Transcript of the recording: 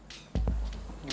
ayolah ngertiin gue lah